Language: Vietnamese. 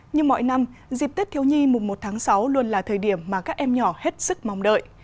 nhưng mọi năm dịp tết thiếu nhi mùng một tháng sáu luôn là thời điểm mà các em nhỏ hết sức mong đợi